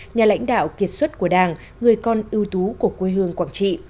nhà lãnh đạo kiệt xuất của đảng người con ưu tú của quê hương quảng trị